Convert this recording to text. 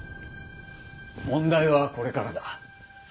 問題はこれからだ。